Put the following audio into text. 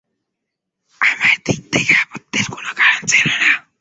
আমার দিক থেকে আপত্তির কোনো কারণ ছিল না।